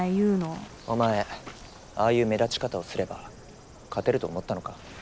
お前ああいう目立ち方をすれば勝てると思ったのか？